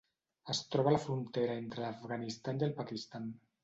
Es troba a la frontera entre l'Afganistan i el Pakistan.